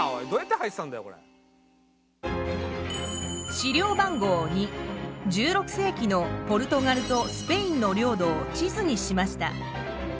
資料番号２１６世紀のポルトガルとスペインの領土を地図にしました。